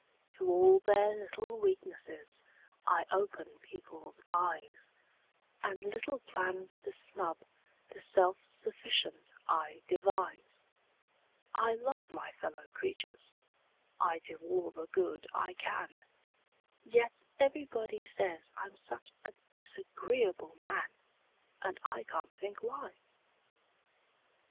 To all their little weaknesses I open people's eyes And little plans to snub the self sufficient I devise; I love my fellow creatures I do all the good I can Yet everybody say I'm such a disagreeable man! And I can't think why!